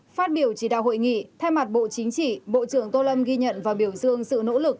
phát biểu chỉ đạo hội nghị thay mặt bộ chính trị bộ trưởng tô lâm ghi nhận và biểu dương sự nỗ lực